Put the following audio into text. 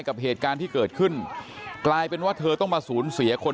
กับเหตุการณ์ที่เกิดขึ้นกลายเป็นว่าเธอต้องมาสูญเสียคน